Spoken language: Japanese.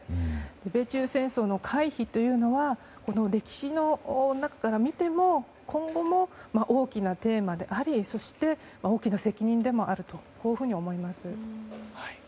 米中戦争の回避というのは歴史の中から見ても今後も大きなテーマでありそして大きな責任でもあると思います。